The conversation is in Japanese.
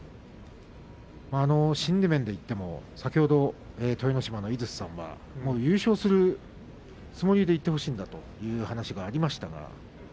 心理面でいっても先ほど豊ノ島の井筒さんが優勝するつもりでいってほしいんだという話がありました。